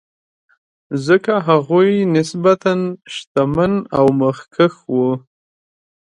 ځکه هغوی نسبتا شتمن او مخکښ وو.